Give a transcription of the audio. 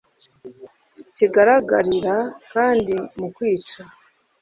Kigaragarira kandi mu kwica